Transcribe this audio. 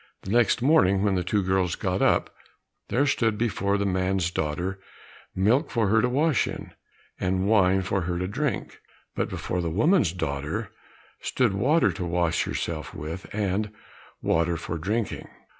The next morning, when the two girls got up, there stood before the man's daughter milk for her to wash in and wine for her to drink, but before the woman's daughter stood water to wash herself with and water for drinking.